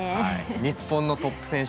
日本のトップ選手